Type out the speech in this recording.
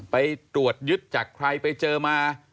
ไปตรวจยึดจากใครไปเจอมา